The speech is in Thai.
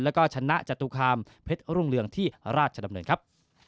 แล้วก็ชนะจตุคามเพชรรุ่งเรืองที่ราชดำเนินครับ